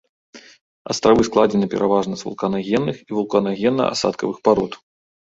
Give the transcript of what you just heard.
Астравы складзены пераважна з вулканагенных і вулканагенна-асадкавых парод.